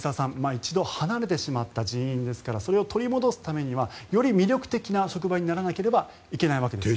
一度離れてしまった人員ですからそれを取り戻すためにはより魅力的な職場にならなければいけないわけですよね。